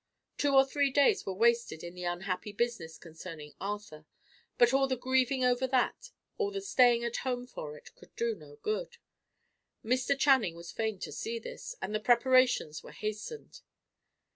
Two or three days were wasted in the unhappy business concerning Arthur. But all the grieving over that, all the staying at home for it, could do no good; Mr. Channing was fain to see this, and the preparations were hastened.